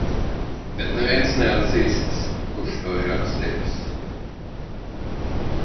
Bet neviens neatzīstas, kurš to ir atstiepis.